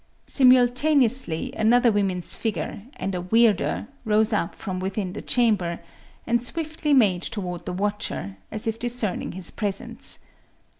Simultaneously another woman's figure, and a weirder, rose up from within the chamber, and swiftly made toward the watcher, as if discerning his presence.